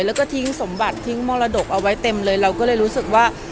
แล้วก็ทิ้งสมบัติทิ้งมรดกเอาไว้เต็มเลยเราก็เลยรู้สึกว่า